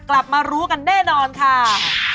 กลับมารู้กันแน่นอนค่ะ